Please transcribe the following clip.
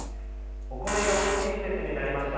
米がおいしい季節になりました。